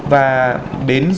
và bốn bến đò ngang